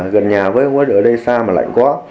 gần nhà với không có để ở đây xa mà lạnh quá